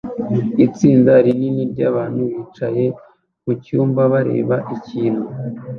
Itsinda rinini ryabantu bicaye mucyumba bareba ikintu